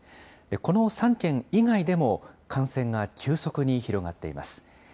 この３県以外でも、感染が急速に広がっています。